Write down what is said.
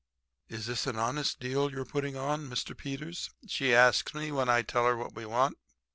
"'Is this an honest deal you are putting on, Mr. Peters,' she asks me when I tell her what we want.